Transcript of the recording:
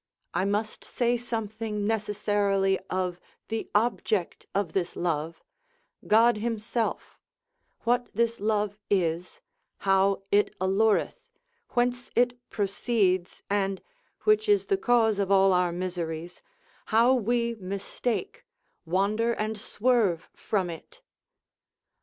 I must say something necessarily of the object of this love, God himself, what this love is, how it allureth, whence it proceeds, and (which is the cause of all our miseries) how we mistake, wander and swerve from it.